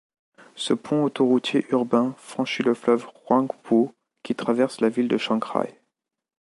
Ce pont autoroutier urbain franchit le fleuve Huangpu, qui traverse la ville de Shanghai.